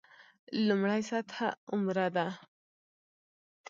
لومړۍ سطح عمره ده.